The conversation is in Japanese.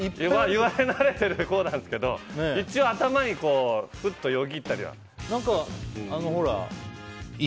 言われ慣れてるほうなんですけど一応、頭にふっとよぎったりとか。